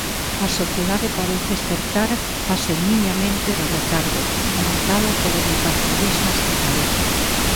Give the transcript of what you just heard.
A sociedade parece espertar paseniñamente do letargo alentado polo bipartidismo estatal.